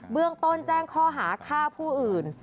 เรื่องต้นแจ้งข้อหาฆ่าผู้อื่น